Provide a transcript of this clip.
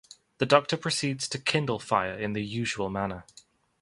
The doctor proceeds to kindle fire in the usual manner.